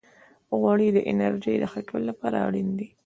غوړې د انرژۍ د ښه کولو لپاره اړینې دي.